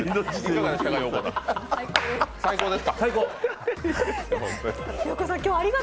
最高です。